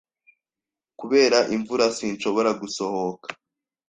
Kubera imvura, sinshobora gusohoka.